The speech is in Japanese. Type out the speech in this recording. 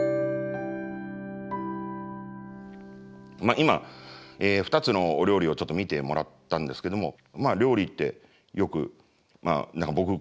今２つのお料理をちょっと見てもらったんですけども料理ってよく僕口癖のように「理を料る」。